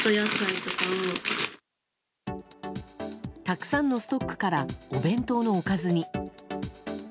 たくさんのストックからお弁当のおかずに。